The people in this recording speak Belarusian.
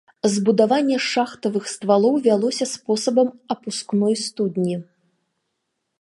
Збудаванне шахтавых ствалоў вялося спосабам апускной студні.